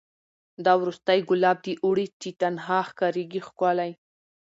دا وروستی ګلاب د اوړي چي تنها ښکاریږي ښکلی